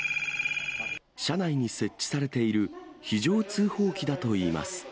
車内に設置されている非常通報器だといいます。